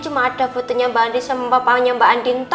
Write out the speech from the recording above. cuma ada butuhnya mbak andin sama papahnya mbak andin